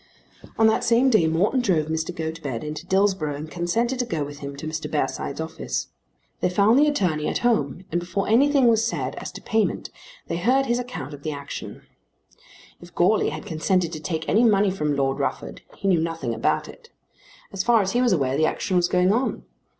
On that same day Morton drove Mr. Gotobed into Dillsborough and consented to go with him to Mr. Bearside's office. They found the attorney at home, and before anything was said as to payment they heard his account of the action. If Goarly had consented to take any money from Lord Rufford he knew nothing about it. As far as he was aware the action was going on.